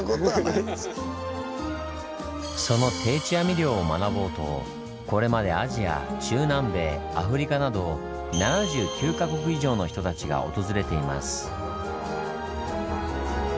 その定置網漁を学ぼうとこれまでアジア中南米アフリカなど７９か国以上の人たちが訪れています。